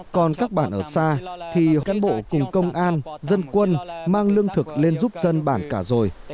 còn các bản ở xa thì cán bộ cùng công an dân quân mang lương thực lên giúp dân bản cả rồi